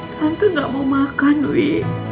tante gak mau makan wi